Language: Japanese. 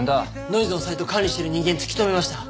ノイズのサイト管理してる人間突き止めました！